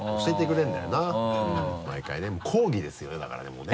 毎回ねもう講義ですよねだからもうね。